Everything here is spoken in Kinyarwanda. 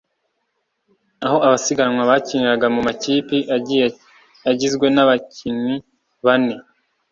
aho abasiganwa bakiniraga mu makipe agiye agizwe n’abakinnui bane